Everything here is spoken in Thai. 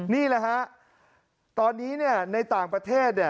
นี่แหละฮะตอนนี้ในต่างประเทศ